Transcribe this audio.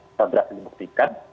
kita jerat dan dibuktikan